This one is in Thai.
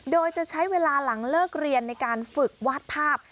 โดยจะใช้เวลาหลังเลิกเรียนในการฝึกวาดภาพ